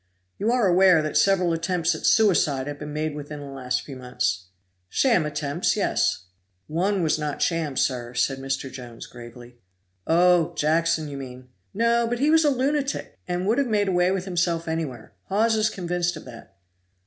"You are aware that several attempts at suicide have been made within the last few months?" "Sham attempts, yes." "One was not sham, sir," said Mr. Jones, gravely "Oh, Jackson, you mean. No, but he was a lunatic, and would have made away with himself anywhere Hawes is convinced of that."